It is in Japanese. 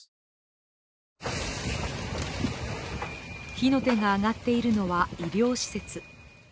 火の手が上がっているのは、医療施設。